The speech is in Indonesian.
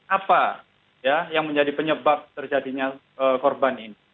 apa yang menjadi penyebab terjadinya korban ini